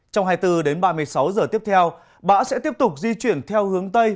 trong hai mươi bốn đến ba mươi sáu giờ tiếp theo bão sẽ tiếp tục di chuyển theo hướng tây